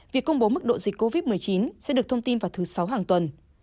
việc công bố mức độ dịch covid một mươi chín sẽ được thông tin vào thứ sáu hàng tuần